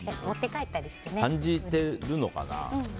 感じてるのかな。